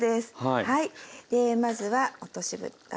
まずは落としぶた。